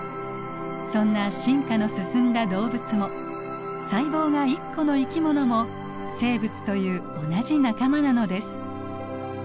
そんな進化の進んだ動物も細胞が一個の生き物も生物という同じ仲間なのです。